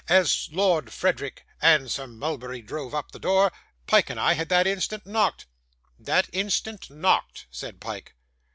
As Lord Frederick and Sir Mulberry drove up to the door, Pyke and I had that instant knocked.' 'That instant knocked,' said Pyke.